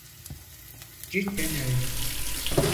Cidden öyle.